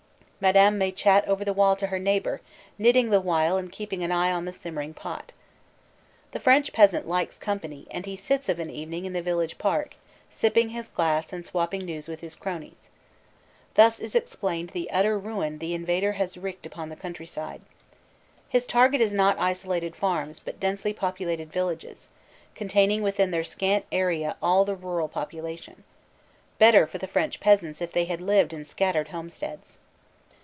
Madame may chat over the wall to her neighbor, knitting the while and keeping an eye on the simmering pot. The French peasant likes company and he sits of an evening in the village park, sipping his glass and swapping news with his cronies. Thus is explained the utter FRENCH SCENES 101 ruin the invader has wreaked upon the countryside. His target is not isolated farms but densely populated villages, con taining within their scant area all the rural population. Better for the French peasants if they had lived in scattered home steads.